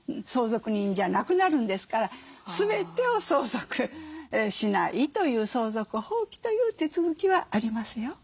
相続人じゃなくなるんですから全てを相続しないという相続放棄という手続きはありますよ。